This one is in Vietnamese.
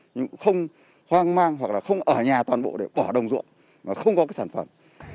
nhưng không hoang mang hoặc không ở nhà toàn bộ để bỏ đồng ruộng không có sản phẩm